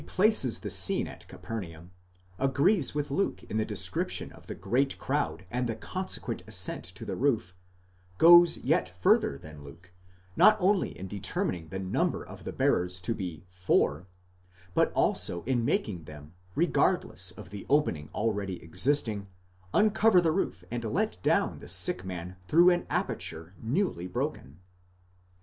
places the scene at Capernaum, agrees with Luke in the description of the great crowd and the consequent ascent to the roof, goes yet further than Luke, not only in determining the number of the bearers to be four, but also in making them, regardless of the opening already existing, uncover the roof and let down the sick man through an aperture newly broken.